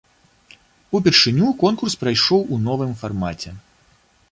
Упершыню конкурс прайшоў у новым фармаце.